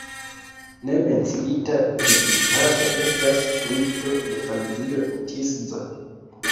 Ne menciita vidindaĵo estas kripto de familio Tisza.